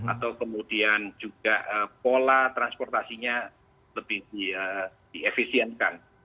atau kemudian juga pola transportasinya lebih diefisienkan